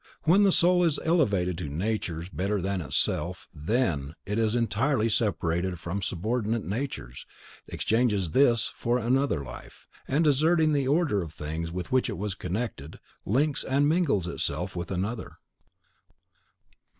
When the soul is elevated to natures better than itself, THEN it is entirely separated from subordinate natures, exchanges this for another life, and, deserting the order of things with which it was connected, links and mingles itself with another.